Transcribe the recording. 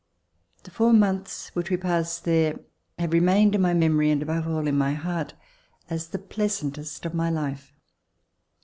The four months which we passed there have remained In my memory, and above all in my heart, as the pleasantest of my life.